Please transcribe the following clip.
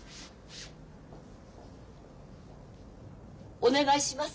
お願いします。